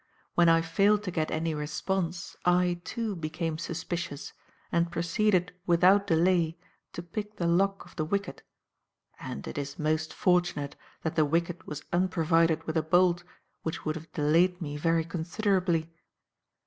When I failed to get any response, I too, became suspicious, and proceeded without delay to pick the lock of the wicket and it is most fortunate that the wicket was unprovided with a bolt, which would have delayed me very considerably.